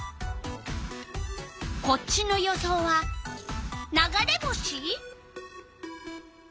こっちの予想は「流れ星」？